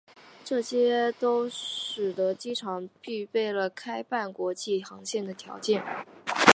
这些都使得机场具备了开办国际航线的条件。